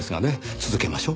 続けましょう。